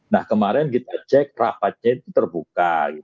nah kemarin kita cek rapatnya itu terbuka